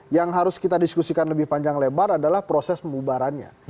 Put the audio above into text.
yang harus kita diskusikan lebih panjang lebar adalah proses pembubarannya